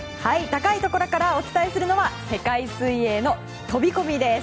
高いところからお伝えするのは世界水泳の飛込です。